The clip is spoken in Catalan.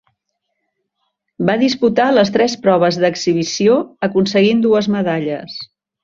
Va disputar les tres proves d'exhibició aconseguint dues medalles.